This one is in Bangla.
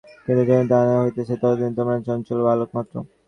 কিন্তু যতদিন না তাহা হইতেছে, ততদিন তোমরা চঞ্চল বালকমাত্র।